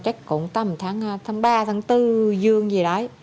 chắc cũng tầm tháng ba tháng bốn dương gì đó